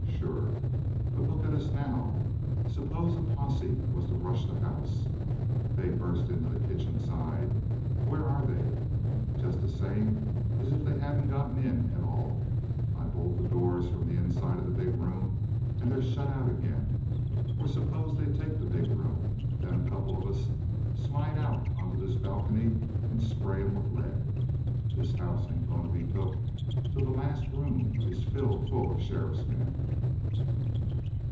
Sure. But look at us now. Suppose a posse was to rush the house. They bust into the kitchen side. Where are they? Just the same as if they hadn't got in at all. I bolt the doors from the inside of the big room, and they're shut out agin. Or suppose they take the big room? Then a couple of us slide out on this balcony and spray 'em with lead. This house ain't going to be took till the last room is filled full of the sheriff's men!"